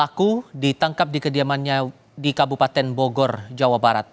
pelaku ditangkap di kediamannya di kabupaten bogor jawa barat